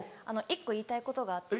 １個言いたいことがあって。